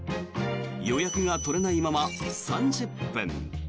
予約が取れないまま３０分。